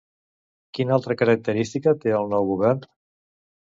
Quina altra característica té el nou govern?